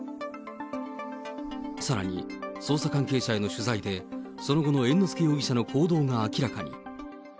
さらに、捜査関係者への取材で、その後の猿之助容疑者の行動が明らかに。